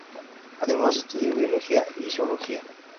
Además estudió biología y zoología.